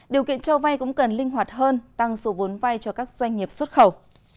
điều kiện cho vay cũng cần linh hoạt hơn tăng số vốn vay cho các doanh nghiệp xuất khẩu